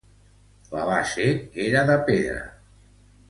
La base era de pedra.